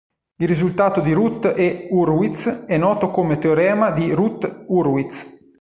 Il risultato di Routh e Hurwitz è noto come teorema di Routh-Hurwitz.